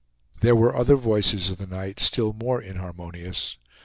There were other voices of the night still more inharmonious.